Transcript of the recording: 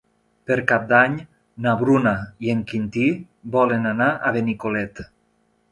Per Cap d'Any na Bruna i en Quintí volen anar a Benicolet.